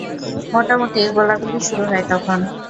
মোটামুটি গোলাগুলি শুরু হয় তখন।